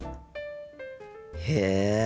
へえ。